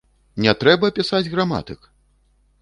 Не трэба пісаць граматык!